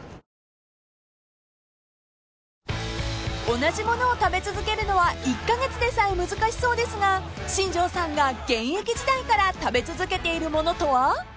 ［同じものを食べ続けるのは１カ月でさえ難しそうですが新庄さんが現役時代から食べ続けているものとは］